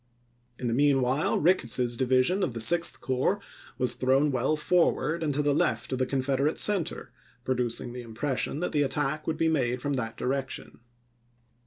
In the mean while, Ricketts's division of the Sixth Corps was thrown well forward and to the left of the Confederate center, producing the impression that the attack would be made from that direction.